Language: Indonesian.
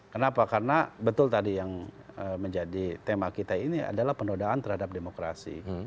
kenapa karena betul tadi yang menjadi tema kita ini adalah penodaan terhadap demokrasi